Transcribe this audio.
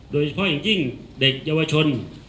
โดยเฉพาะอย่างยิ่งเด็กเยาวชน